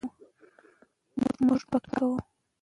موږ به کار کوو.